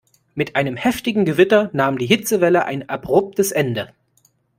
Mit einem heftigen Gewitter nahm die Hitzewelle ein abruptes Ende.